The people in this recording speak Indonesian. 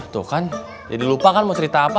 tuh kan jadi lupa kan mau cerita apa